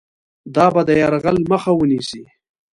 دا به د یرغل مخه ونیسي.